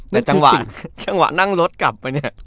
แต่จังหวะนั่งรถกลับไปเนี่ย